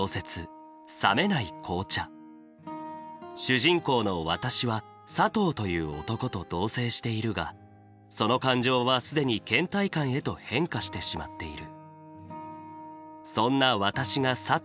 主人公の「わたし」は「サトウ」という男と同棲しているがその感情は既に倦怠感へと変化してしまっている。